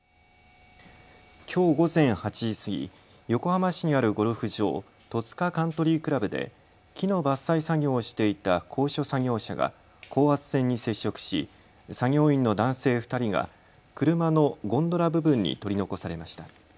きょう午前８時過ぎ横浜市にあるゴルフ場、戸塚カントリー倶楽部で木の伐採作業をしていた高所作業車が高圧線に接触し、作業員の男性２人が車のゴンドラ部分に取り残されました。